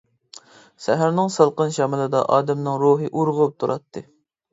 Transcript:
سەھەرنىڭ سالقىن شامىلىدا ئادەمنىڭ روھى ئۇرغۇپ تۇراتتى.